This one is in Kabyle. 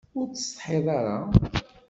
Ur tsetḥiḍ ara?